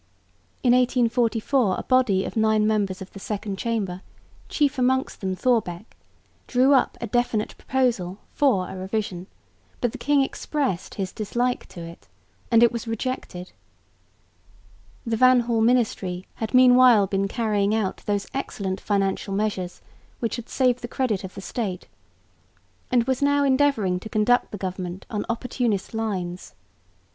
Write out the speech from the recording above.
In 1844 a body of nine members of the Second Chamber, chief amongst them Thorbecke, drew up a definite proposal for a revision; but the king expressed his dislike to it, and it was rejected. The Van Hall ministry had meanwhile been carrying out those excellent financial measures which had saved the credit of the State, and was now endeavouring to conduct the government on opportunist lines.